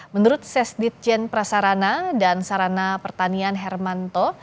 menurut sesditjen prasarana dan sarana pertanian hermanto